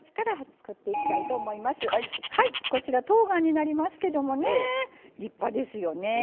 こちらとうがんになりますけども立派ですよね。